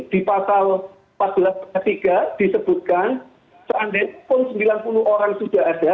di pasal empat belas ayat tiga disebutkan seandainya pun sembilan puluh orang sudah ada